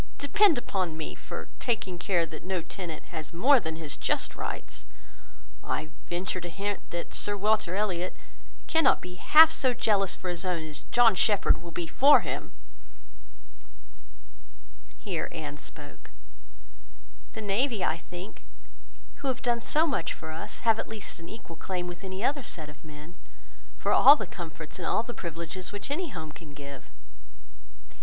Depend upon me for taking care that no tenant has more than his just rights. I venture to hint, that Sir Walter Elliot cannot be half so jealous for his own, as John Shepherd will be for him." Here Anne spoke— "The navy, I think, who have done so much for us, have at least an equal claim with any other set of men, for all the comforts and all the privileges which any home can give.